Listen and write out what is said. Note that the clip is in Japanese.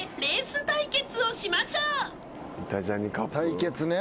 対決ね。